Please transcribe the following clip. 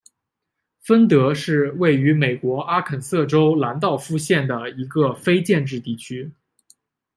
芬德是位于美国阿肯色州兰道夫县的一个非建制地区。